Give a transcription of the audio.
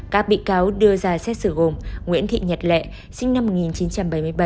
các bị cáo đưa ra xét xử gồm nguyễn thị nhật lệ sinh năm một nghìn chín trăm bảy mươi bảy